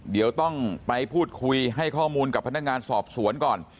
เดี๋ยวต้องไปพูดคุยให้ข้อมูลกับพนักงานสอบสวนก่อน